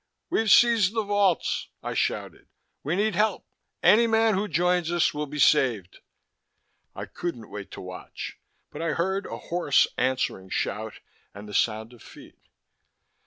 "We've seized the vaults," I shouted. "We need help. Any man who joins us will be saved!" I couldn't wait to watch, but I heard a hoarse, answering shout, and the sound of feet.